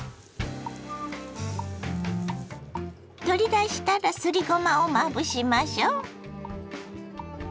取り出したらすりごまをまぶしましょ。